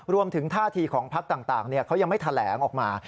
รวมถึงท่าทีของพักต่างเขายังไม่แถลงออกมา